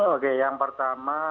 oke yang pertama